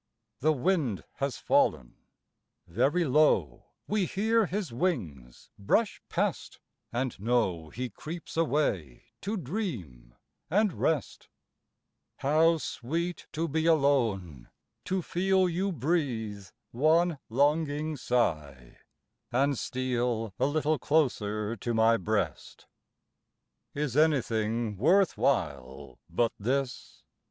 The wind has fallen; very low We hear his wings brush past, and know He creeps away to dream and rest; How sweet to be alone, to feel You breathe one longing sigh, and steal A little closer to my breast. Is anything worth while but this?